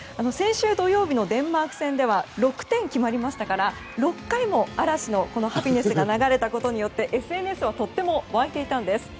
先週土曜日のデンマーク戦では６点決まりましたから６回も嵐の「Ｈａｐｐｉｎｅｓｓ」が流れたことによってＳＮＳはとても沸いていたんです。